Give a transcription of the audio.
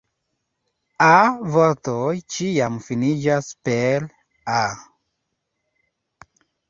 A-vortoj ĉiam finiĝas per "-a".